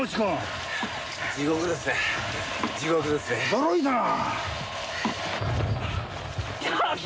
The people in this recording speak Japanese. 驚いたな。